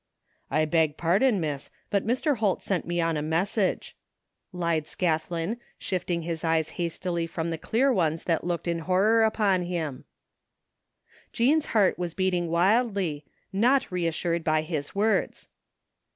" I b^ pardon. Miss, but Mr. Holt sent me on a 12 177 THE FINDING OF JASPER HOLT message," lied Scathlin, shifting his eyes hastily from the clear ones that looked in horror upon him. Jean's heart was beating wildly, not reassured by his words.